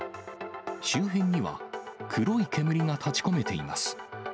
周辺には黒い煙が立ちこめています。